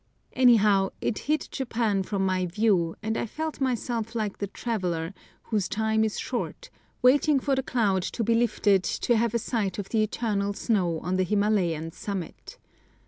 Anyhow it hid Japan from my view, and I felt myself like the traveller, whose time is short, waiting for the cloud to be lifted to have a sight of the eternal snow on the Himalayan summit.